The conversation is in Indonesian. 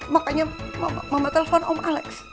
makanya mama telepon om alex